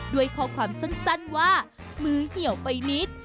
ด้วยข้อความสั้นว่ามือเหี่ยวไปนิด